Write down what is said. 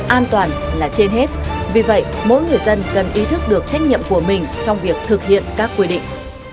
an toàn là trên hết vì vậy mỗi người dân cần ý thức được trách nhiệm của mình trong việc thực hiện các quy định